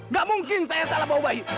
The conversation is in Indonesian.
gak mungkin saya salah bawa bayi